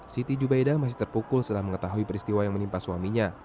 siti jubaida masih terpukul setelah mengetahui peristiwa yang menimpa suaminya